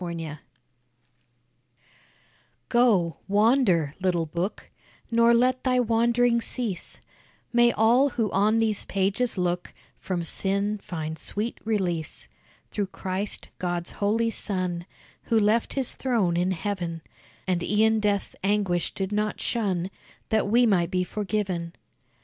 GO WANDER Go, wander, little book, Nor let thy wand'ring cease; May all who on these pages look From sin find sweet release, Through Christ, God's holy son, Who left his throne in heaven And e'en death's anguish did not shun That we might be forgiven.